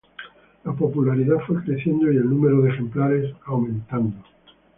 La popularidad fue creciendo y el número de ejemplares aumentaba.